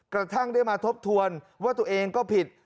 กระทั่งได้มาทบทวนว่าตัวเองก็ผิด